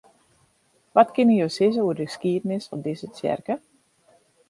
Wat kinne jo sizze oer de skiednis fan dizze tsjerke?